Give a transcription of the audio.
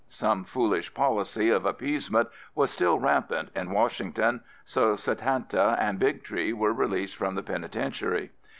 Some foolish policy of appeasement was still rampant in Washington, so Satanta and Big Tree were released from the penitentiary.